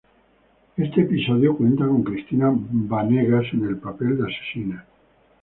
Este episodio cuenta con Cristina Banegas, en el papel de asesina.